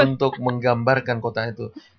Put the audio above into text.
untuk menggambarkan kota itu